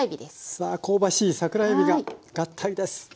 さあ香ばしい桜えびが合体です。